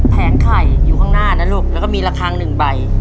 แผงไข่อยู่ข้างหน้านะลูกแล้วก็มีระคังหนึ่งใบ